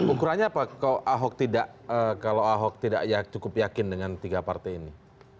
ukurannya apa kalau ahok tidak cukup yakin dengan tiga partai ini